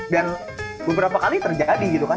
dan beberapa kali terjadi gitu kan